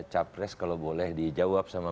capres kalau boleh dijawab sama